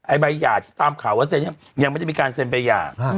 ใบหย่าที่ตามข่าวว่าเซ็นเนี่ยยังไม่ได้มีการเซ็นใบหย่า